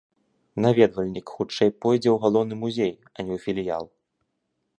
Наведвальнік хутчэй пойдзе ў галоўны музей, а не ў філіял.